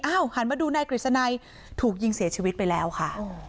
หันมาดูนายกฤษณัยถูกยิงเสียชีวิตไปแล้วค่ะ